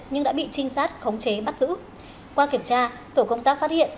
nhưng đã bị trinh sát khống chế bắt giữ qua kiểm tra tổ công tác phát hiện